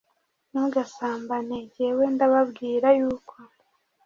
ntugasambane; jyewe ndababwira yuko